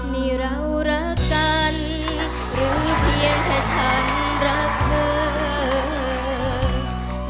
นี่เรารักกันหรือเพียงแค่ฉันรักเธอ